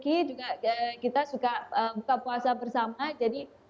kita juga suka buka puasa bersama